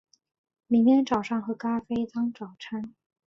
明天早上喝咖啡当早餐